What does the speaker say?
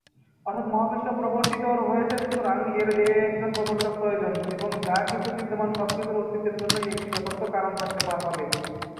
অর্থাৎ, মহাবিশ্ব প্রবর্তিত হয়েছে সুতরাং এর একজন প্রবর্তক প্রয়োজন এবং যা কিছু বিদ্যমান, সবকিছুর অস্তিত্বের জন্যই একটি যথার্থ কারণ থাকতে হবে।